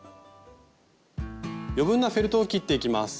余分なフェルトを切っていきます。